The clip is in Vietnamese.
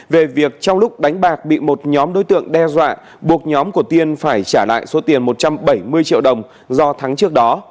về việc trong lúc đánh bạc bị một nhóm đối tượng đe dọa buộc nhóm của tiên phải trả lại số tiền một trăm bảy mươi triệu đồng do thắng trước đó